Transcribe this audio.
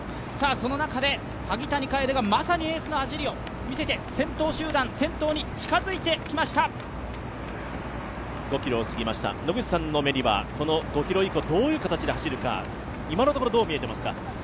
その中で、萩谷楓がまさにエースの走りを見せて先頭集団、先頭に近づいてきました５ｋｍを過ぎました、野口さんの目には５ｋｍ以降、どういう形で走るか、今とのころどう見えていますか？